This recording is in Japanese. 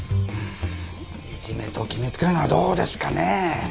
いじめと決めつけるのはどうですかね。